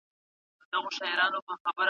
قصاص د غچ اخیستلو په مانا نه دی.